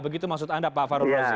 begitu maksud anda pak farouk razi